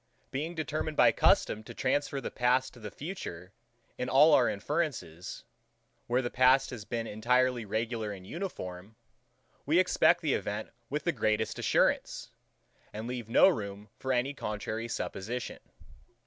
Being determined by custom to transfer the past to the future, in all our inferences; where the past has been entirely regular and uniform, we expect the event with the greatest assurance, and leave no room for any contrary supposition.